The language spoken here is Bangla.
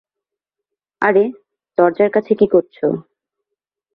আরে দরজার কাছে কি করছো?